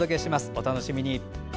お楽しみに。